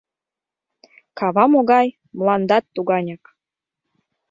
Кава могай — мландат туганяк.